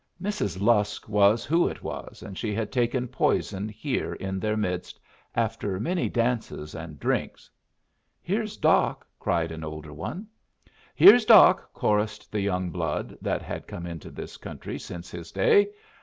Mrs. Lusk was who it was, and she had taken poison here in their midst, after many dances and drinks. "Here's Doc!" cried an older one. "Here's Doc!" chorused the young blood that had come into this country since his day.